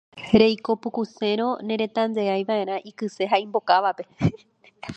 Reiko pukusérõ neretentaiva'erã ikyse ha imbokávape.